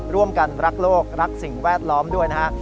ร่วมกันรักโลกรักสิ่งแวดล้อมด้วยนะฮะ